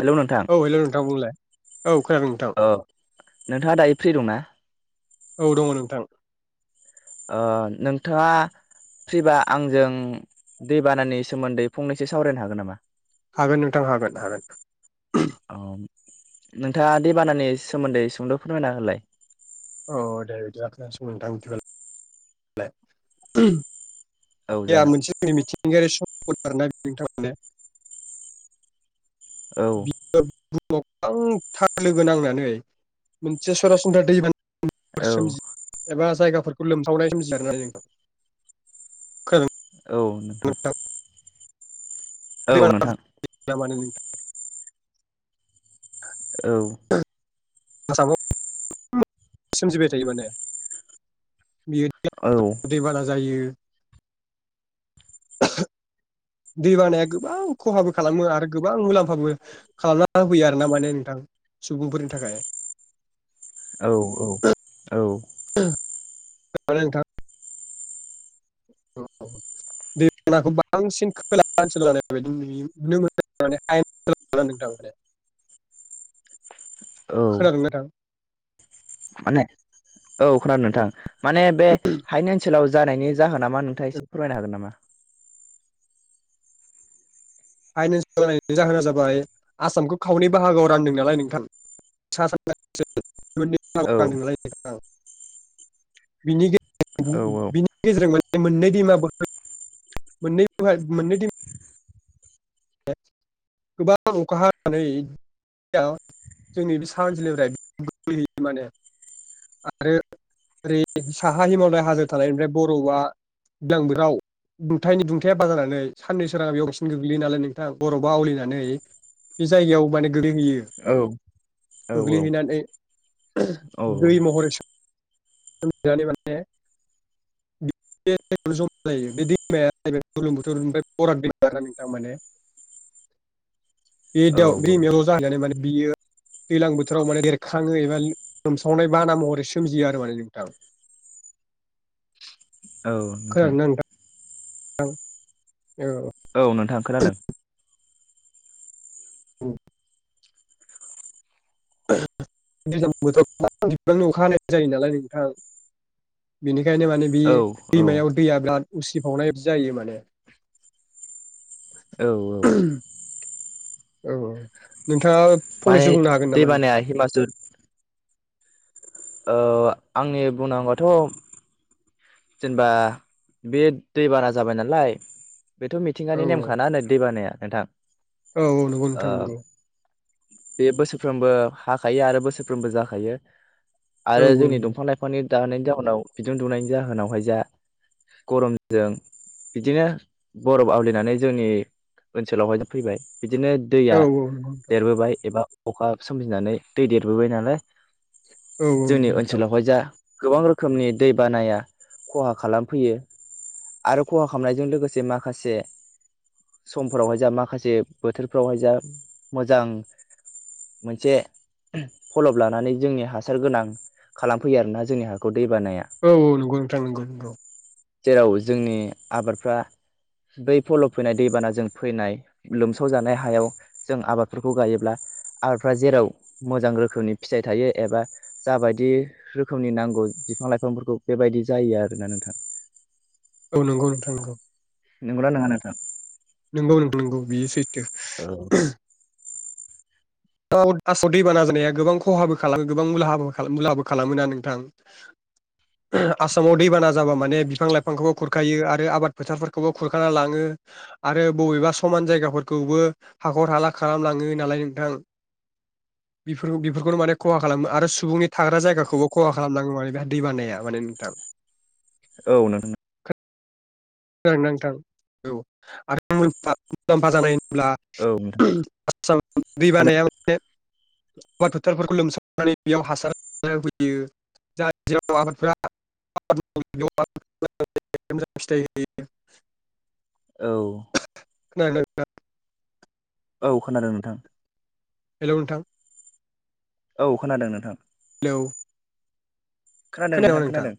Hello नोंथां औ hello नोंथां बुंलाय औ खोनादों नोंथां ओ नोंथाङा दायो फ्रि दंना? औ दङ नोंथां। ओ नोंथाङा फ्रिबा आंजों दै बानानि सोमोन्दै फंनैसो सावरायनो हागोन नामा? हागोन नोंथां हागोन हागोन [unintelligible] नोंथांङा दैबानानि सोमोन्दै सुंद' फोरमायना होलाय अ दे [inaudible] [unintelligible] औ जागोन मिथिंगायारि [unintelligible] [unintelligible] औ [unintelligible] था लोगो नांनानै मोनसे सरासनस्रा दैबाना [unintelligible] औ एबा जायगा फोरखौ लोमसावनाय [unintelligible] औ नोंथां। औ नोंथां [unintelligible] औ [unintelligible] सोमजिबाय थायो माने [unintelligible] औ दैबाना जायो । [unintelligible] दै बानाया गोबां खहाबो खालामो आरो गोबां मुलाम्फाबो खालामना होफैयो आरो ना माने नोंथां। सुबुंफोरनि थाखाय औ औ औ [unintelligible] [unintelligible] [unintelligible] औ खोनादोंना? [unintelligible] माने औ खोनादों नोंथां माने बे हायेन ओनसो लाव जानायनि जाहोना मा नोंथाङा एसे फोरमायनो हागोन नामा? फाइनान्स [unintelligible] जाहोना जाबाय आसामखौ खावनै बाहागोआव रान्दों नालाय नोंथां। औ औ [unintelligible] [unintelligible] [inaudible] गोबां अखा हानानै। [unintelligible] जोंनि बे सा ओनसोलनिफ्राय [unintelligible] माने आरो ओरै साहा हिमालय हाजो थानायनिफ्राय बरफआ [unintelligible] दुंथायनि दुंथाया बारायनानै साननि सोराङा बेयाव बांसिन गोग्लैयो नालाय नों थां बरफआ आवलिनानै बि जायगायाव माने गोग्लैहैयो औ औ गोग्लैहैनानै दै महरै सो [unintelligible] [unintelligible] बे औ दाव दैमायाव जाहैनानै माने बियो। दैलां बोथोराव माने बेरखाङो एबा लोमसावनाय बाना महरै सोमजियो आरो माने नोंथां। औ नोंथां। औ औ। औ नोंथां खोनादों। उम। दैज्लां बोथोराव गोबां बिबांनि अखा हानाय जायो नालाय नोंथां। बेनिख ओंखायनो माने बे औ दैमायाव दैया बिराद उसिफावनायदि जायो माने। औ औ। औ औ नोंथाङा माने फंनैसो बुंनो हागोन नामा दैबानाया नोंथां। ओव आंनि बुंनांगौआथ'। जेनबा बे दै बाना जाबाय नालाय। बेथ' औ मिथिंगानि नेमखाना नै दैबानाया नोंथां। औ औ नोंगौ ओ नोंथां नोंगौ। बे बोसोरफ्रोमबो हाखायो आरो बोसोरफ्रोमबो जाखायो। औ आरो जोंनि दंफां लाइफांनि दानायनि जाहोनाव बिदुं दुनायनि जाहोनावहाय जा। गरमजों। बिदिनो बरफ आवलिनानै जोंनि ओनसोलावहाय फैबाय। बिदिनो दैया औ नंगौ नोंथां देरबोबाय एबा अखा सोमजिनानै दै देरबोबाय नालाय औ नंगौ जोंनि नोंथां औ ओनसोलावहाय जा गोबां रोखोमनि दै बानाया। खहा खालामफैयो आरो खहा खामनायजों लोगोसे माखासे। समफोरावहाय जा माखासे बोथोरफ्रावहाय जा मोजां। मोनसे फलब लानानै जोंनि हासार गोनां खालामफैयो आरोना जोंनि हाखौ। दैबानाया औ औ नंगौ नोंथां नंगौ न्द्र। जेराव जोंनि आबारफ्रा। दै फल'ब फैनाय दैबानाजों फैनाय लोमसाव जानाय हायाव जों आबादफोरखौ गायोब्ला। आबारफ्रा जेराव मोजां रोखोमनि फिथाइ थायो एबा जाबायदि रोखोमनि नांगौ बिफां लाइफांफोरखौ बेबायदि जायो आरोना नोंथां। औ नंगौ नोंथां नंगौ। नोंगौ ना नोङा नोंथां। नोंगौ नोंगौ बियो सैथो। औ औ थास' दैबाना जानाया गोबां खहाबो खालामो गोबां मुलाहाबो मुलाहाबो खालामो ना नोंथां। आसामाव दैबाना जाबा माने बिफां लाइफांखौबो खुरखायो आरो आबाद फोथारफोरखौबो खुरखाना लाङो। आरो बबेबा समान जायगाफोरखौबो हाख'र हाला खालामलाङो नालाय नोंथां। बे बेफोरखौनो माने खहा खालामो आरो सुबुंनि थाग्रा जायगाखौबो खहा खालामनांगौ माने बेहा दै बानाया माने नोंथां औ नोंथां नांथां औ आ मुलामफा जानाय होनब्ला औ नोंथां दै बानाया मोनसे आबाद फोथारफोरखौ लोमसाबनानै बेयाव हासार होयो जाय जेर आबादफोरा [unintelligible] औ खौनादो ना नोंथां। औ खोनादों नोंथां हेल' नोंथां औ खोनादों नोंथां हेलौ खोनादों नोंथां खोनादों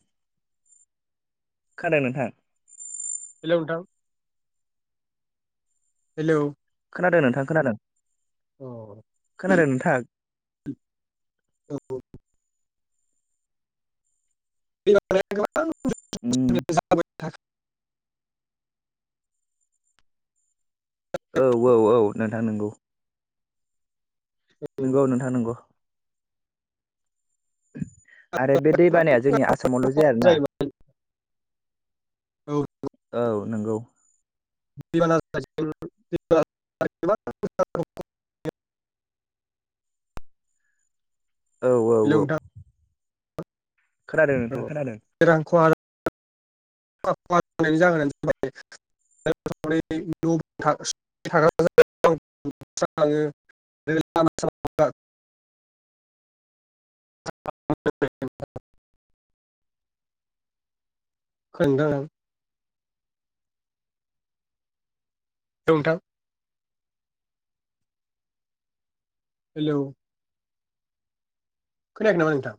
खोनादों नोंथां। हेलौ नोंथां हेलौ खोनादों नोंथां खोनादों औ खोनादों नोंथां उम [unintelligible] औ औ औ नोंथा नोंगौ नोंगौ गोबां नोंथां नंगौ आरो बे दैबानाया खहा जोंनि आसामावल' जाया आरोना जायोमोन औ औ नंगौ दैबाना जानायजों हेलौ औ औ औ नोंथां खोनादों औ नोंथाङ खोनादों ज जोन जाब [unintelligible] [unintelligible] [unintelligible] खन्द [unintelligible] होंथां हेलौ खोनायाखै नामा नोंथां?